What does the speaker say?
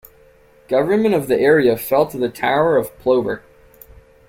Government of the area fell to the Town of Plover.